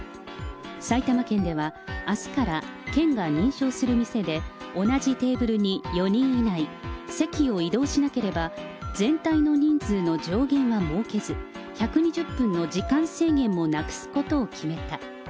埼玉県ではあすから県が認証する店で同じテーブルに４人以内、席を移動しなければ、全体の人数の上限は設けず、１２０分の時間制限もなくすことを決めた。